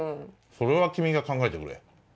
それは君が考えてくれ。